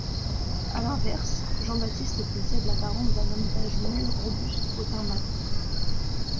À l'inverse, Jean-Baptiste possède l'apparence d'un homme d'âge mûr, robuste, au teint mat.